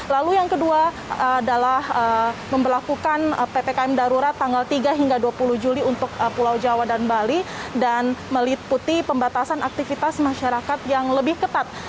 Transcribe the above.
lalu yang kedua adalah memperlakukan ppkm darurat tanggal tiga hingga dua puluh juli untuk pulau jawa dan bali dan meliputi pembatasan aktivitas masyarakat yang lebih ketat